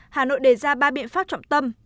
hà nội đề ra ba biện pháp trọng tâm